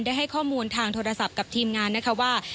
ให้ข้อมูลทางโทรศัพท์กับทีมงานนะคะว่า